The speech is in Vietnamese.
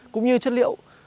cũng như chất liệu